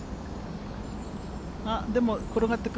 でも転がってく。